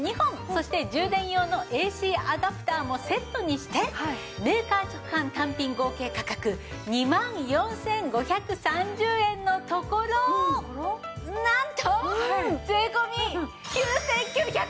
そして充電用のＡＣアダプターもセットにしてメーカー直販単品合計価格２万４５３０円のところなんと税込９９８０円です。